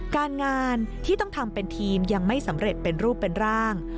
การงานที่ต้องทำเป็นทีมยังไม่สำเร็จเป็นรูปเป็นร่าง